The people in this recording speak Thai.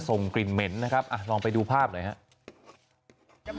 ส่งกลิ่นเหม็นนะครับลองไปดูภาพหน่อยครับ